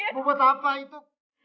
buat apa itu